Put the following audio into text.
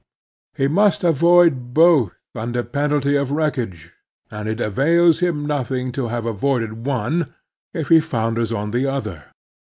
He must avoid both tmder penalty of wreckage, and it avails him nothing to have avoided one, if he founders on the other.